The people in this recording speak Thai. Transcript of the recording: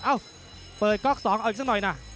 เอ้าเปิดก๊อก๒เอาอีกสักหน่อยนะ